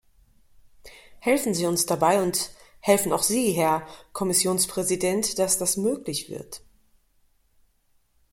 Helfen Sie uns dabei und helfen auch Sie, Herr Kommissionspräsident, dass das möglich wird!